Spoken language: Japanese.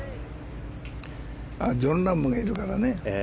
ジョン・ラームがいるからね。